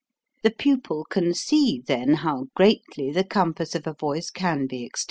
The pupil can see then how greatly the compass of a voice can be extended.